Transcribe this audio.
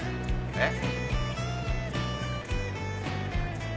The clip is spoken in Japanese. えっ？